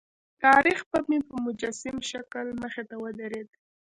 تاریخ مې په مجسم شکل مخې ته ودرېد.